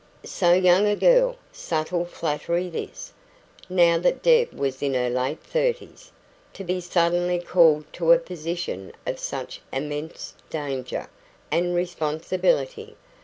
"So young a girl" subtle flattery this, now that Deb was in her late thirties "to be suddenly called to a position of such immense danger and responsibility!